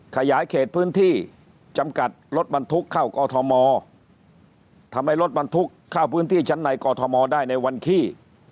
ขยายเขตพื้นที่จำกัดรถบรรทุกเข้ากอทมทำให้รถบรรทุกเข้าพื้นที่ชั้นในกอทมได้ในวันขี้